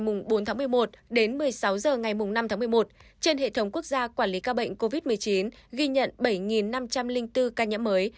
tính từ một mươi sáu h ngày bốn tháng một mươi một đến một mươi sáu h ngày năm tháng một mươi một trên hệ thống quốc gia quản lý ca bệnh covid một mươi chín ghi nhận bảy năm trăm linh bốn ca nhẫm mới